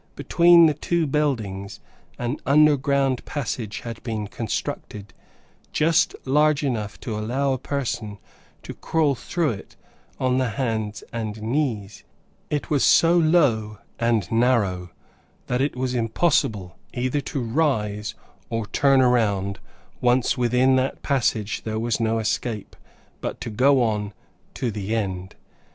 Between the two buildings, an under ground passage had been constructed, just large enough to allow a person to crawl through it on the hands and knees. It was so low, and narrow, that it was impossible either to rise, or turn around; once within that passage there was no escape, but to go on to the end.